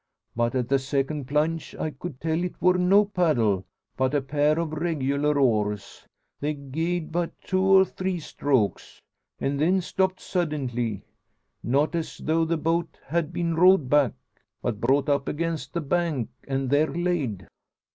But at the second plunge I could tell it wor no paddle, but a pair of regular oars. They gied but two or three strokes, an' then stopped suddintly; not as though the boat had been rowed back, but brought up against the bank, an' there layed."